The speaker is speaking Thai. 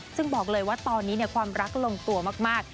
ซึ่งบอกเลยว่าตอนนี้ความรักลงตัวมาก